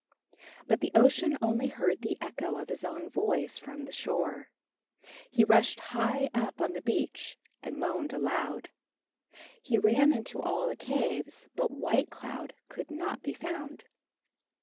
But the Ocean only heard the echo of his own voice from the shore. He rushed high up on the beach and moaned aloud. He ran into all the caves but White Cloud could not be found.